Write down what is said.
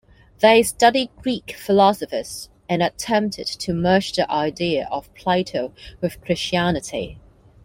They studied Greek philosophers and attempted to merge the ideas of Plato with Christianity.